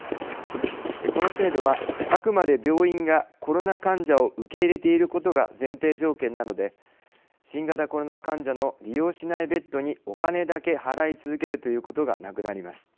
この制度はあくまで病院がコロナ患者を受け入れていることが前提条件なので新型コロナ患者の利用しないベッドにお金だけ払い続けるということがなくなります。